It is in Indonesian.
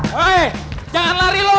hei jangan lari lo